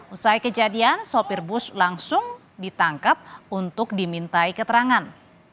usai kejadian sopir bus langsung ditangkap untuk dimintai keterangan